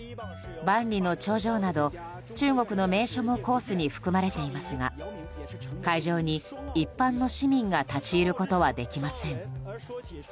万里の長城など、中国の名所もコースに含まれていますが会場に一般の市民が立ち入ることはできません。